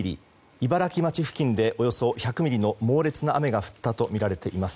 茨城町付近でおよそ１００ミリの猛烈な雨が降ったとみられています。